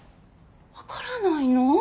わからないの？